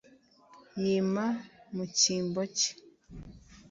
yima mu cyimbo cye